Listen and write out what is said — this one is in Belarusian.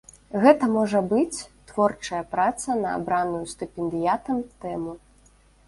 Гэта можа быць творчая праца на абраную стыпендыятам тэму.